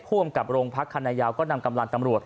ภูมิกับโรงพักคณะยาวก็นำกำลังตำรวจ